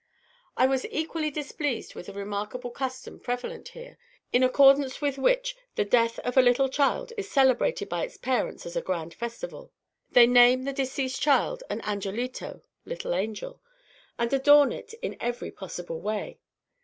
I was equally displeased with a remarkable custom prevalent here, in accordance with which the death of a little child is celebrated by its parents as a grand festival. They name the deceased child an angelito, (little angel), and adorn it in every possible way.